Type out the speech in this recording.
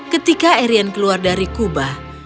ketika arion keluar dari kubah